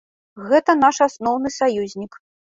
Гэта наш асноўны саюзнік.